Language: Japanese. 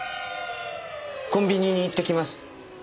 コンビニに行ってきます。